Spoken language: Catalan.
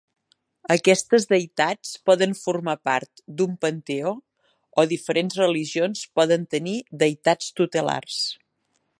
Aquestes deïtats poden formar part d'un panteó, o diferents religions poden tenir deïtats tutelars.